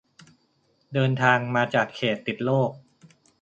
เดินทางมาจากเขตติดโรค